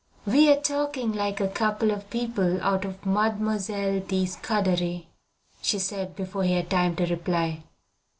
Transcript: "We are talking like a couple of people out of Mademoiselle de Scudery," she said before he had time to reply.